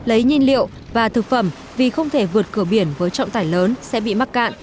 lấy nhiên liệu và thực phẩm vì không thể vượt cửa biển với trọng tải lớn sẽ bị mắc cạn